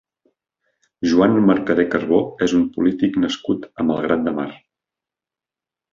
Joan Mercader Carbó és un polític nascut a Malgrat de Mar.